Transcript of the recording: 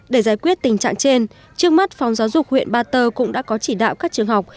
để giải quyết tình trạng trên trước mắt phòng giáo dục huyện ba tơ cũng đã có chỉ đạo các trường học